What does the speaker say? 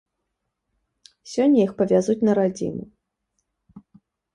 Сёння іх павязуць на радзіму.